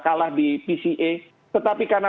kalah di pca tetapi karena